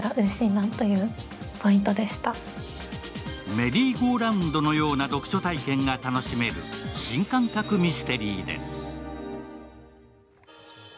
メリーゴーラウンドのような読書体験が楽しめる新感覚ミステリーです。